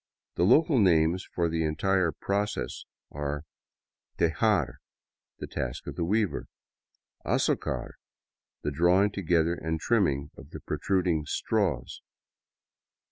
The local names for the entire process are :" Tejar "— the task of the weaver. " Azocar" — the drawing together and trimming of the protruding " straws."